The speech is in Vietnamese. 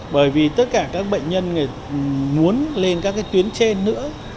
bởi vì tất cả các bệnh nhân muốn lên các tuyến trên nữa